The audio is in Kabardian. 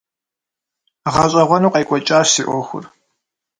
ГъэщӀэгъуэну къекӀуэкӀащ си Ӏуэхур.